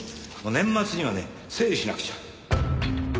年末にはね整理しなくちゃ。